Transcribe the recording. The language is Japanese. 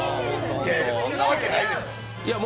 そんなわけないでしょう。